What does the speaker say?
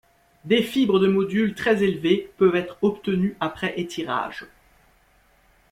Des fibres de module très élevé peuvent être obtenues après étirage.